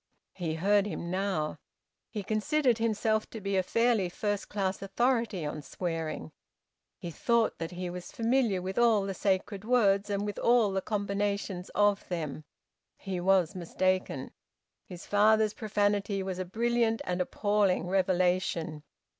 He heard him now. He considered himself to be a fairly first class authority on swearing; he thought that he was familiar with all the sacred words and with all the combinations of them. He was mistaken. His father's profanity was a brilliant and appalling revelation.